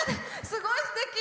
すごいすてき！